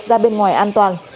ra bên ngoài an toàn